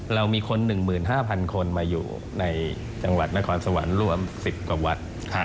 เรามีคน๑๕๐๐คนมาอยู่ในจังหวัดนครสวรรค์รวม๑๐กว่าวัด